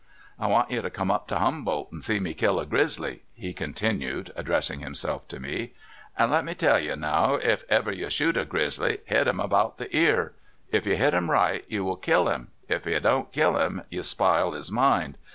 "I want you to come up to Humboldt and see me kill a grizzly," he continued, addressing him self to me. "An' let me tell you now, if ever you shoot a grizzly, hit him about the ear. If you hit him right, you will kill him ; if you do n't kill him, you spile his mind.